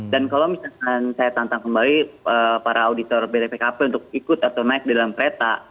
dan kalau misalkan saya tantang kembali para auditor bp kepala untuk ikut atau naik di dalam kereta